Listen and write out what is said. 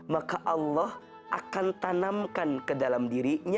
maka allah akan tanamkan dalam hidupnya